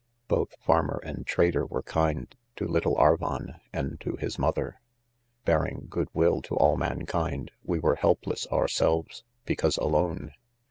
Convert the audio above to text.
Both farmer and trader were kind to little Arvon and to his mother. Bearing good ' will to all mankind, we were helpless ourselves, because alone.